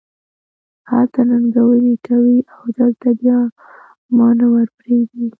هلته ننګونې کوې او دلته بیا ما نه ور پرېږدې.